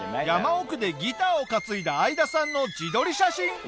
山奥でギターを担いだアイダさんの自撮り写真。